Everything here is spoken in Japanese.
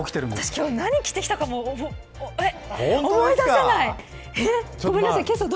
今日何着てきたかも思い出せない。